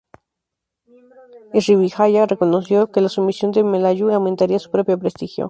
Srivijaya reconoció que la sumisión de Melayu aumentaría su propio prestigio.